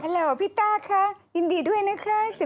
หล่อพี่ต้าคะยินดีด้วยนะคะ